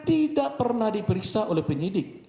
tidak pernah diperiksa oleh penyidik